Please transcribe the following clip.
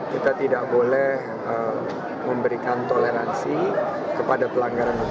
kita tidak boleh memberikan toleransi kepada pelanggaran hukum